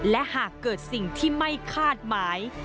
และหากเกิดสิ่งที่ไม่คาดหมาย